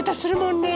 ねえ。